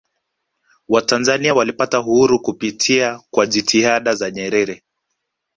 watanzania walipata uhuru kupitia kwa jitihada za nyerere